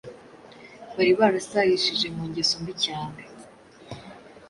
bari barasayishije mu ngeso mbi cyane